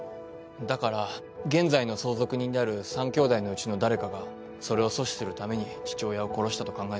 だから現在の相続人である３兄弟のうちの誰かがそれを阻止するために父親を殺したと考えたんだ。